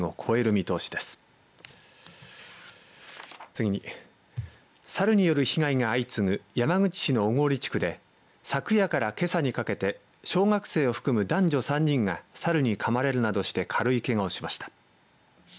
次にサルによる被害が相次ぐ山口市の小郡地区で昨夜からけさにかけて小学生を含む男女３人がサルにかまれるなどして軽いけがをしました。